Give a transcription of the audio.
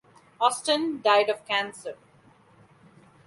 Austin died of cancer.